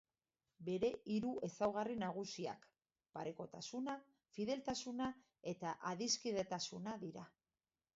Bere hiru ezaugarri nagusiak: parekotasuna, fideltasuna eta adiskidetasuna dira.